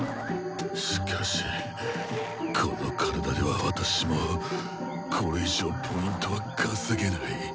しかしこの体では私もこれ以上Ｐは稼げない。